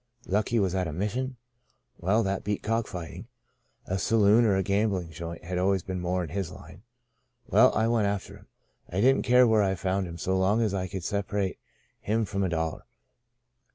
* Lucky ' was at a mission ? Well, that beat cock fighting I A saloon or a gambling joint had always been more in his line. Well, I went after him. I didn't care where I found him so long as I could separate him from a dollar.